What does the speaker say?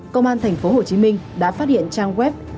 công an tp hcm đã phát hiện trang web